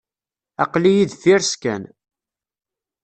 Aql-iyi deffir-s kan.